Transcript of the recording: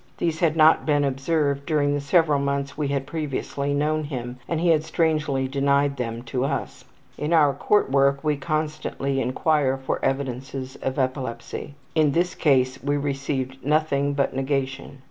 These had not been observed during the several months we had previously known him, and he had strongly denied them to us. In our court work we constantly inquire for evidences of epilepsy; in this case we received nothing but negation.